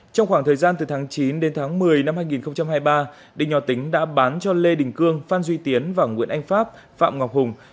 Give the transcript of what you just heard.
trong khoảng thời gian từ tháng chín đến tháng một mươi năm hai nghìn hai mươi ba đinh nho tính đã bán cho lê đình cương phan duy tiến và nguyễn anh pháp phạm ngọc hùng